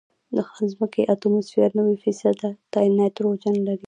د ځمکې اتموسفیر نوي فیصده نایټروجن لري.